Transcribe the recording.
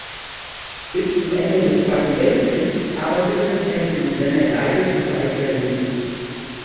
Bis zum Ende des Zweiten Weltkriegs arbeitete er mit dem Sender Gleiwitz im Gleichwellenbetrieb.